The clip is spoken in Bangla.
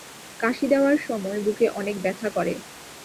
কাশি দেওয়ার সময় বুকে অনেক ব্যথা করে।